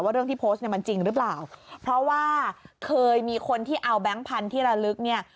เรื่องที่โพสต์เนี่ยมันจริงหรือเปล่าเพราะว่าเคยมีคนที่เอาแบงค์พันธุ์ที่ระลึกเนี่ย